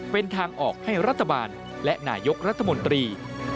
เป็นทางออกให้รัฐบาลและนายกรัฐมนตรี